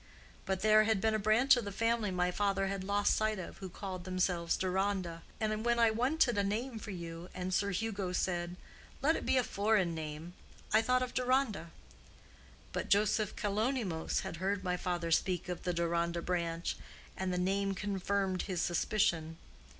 But there had been a branch of the family my father had lost sight of who called themselves Deronda, and when I wanted a name for you, and Sir Hugo said, 'Let it be a foreign name,' I thought of Deronda. But Joseph Kalonymos had heard my father speak of the Deronda branch, and the name confirmed his suspicion.